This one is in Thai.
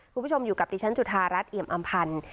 คุณผู้ชมอยู่กับดิฉันจุธารัฐเอี่ยมอำพันธ์